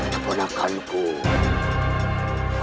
ambil harus memberikan syarat